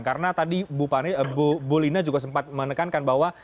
karena tadi bu lina juga sempat menekankan bahwa